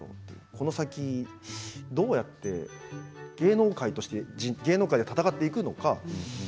この先どうやって芸能界で戦っていくのか。